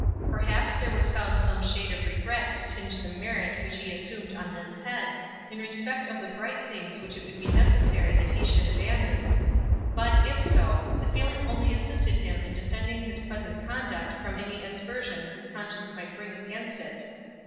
Perhaps there was found some shade of regret to tinge the merit which he assumed on this head, in respect of the bright things which it would be necessary that he should abandon; but, if so, the feeling only assisted him in defending his present conduct from any aspersions his conscience might bring against it.